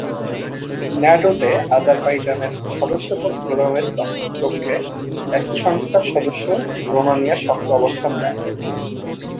NATO তে, আজারবাইজানের সদস্যপদ প্রদানের লক্ষ্যে, একই সংস্থার সদস্য রোমানিয়া শক্ত অবস্থান নেয়।